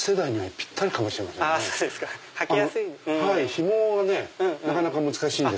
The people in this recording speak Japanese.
ひもがねなかなか難しいんです。